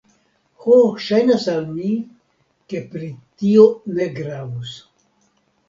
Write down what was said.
Ho, ŝajnas al mi, ke pri tio ne gravus.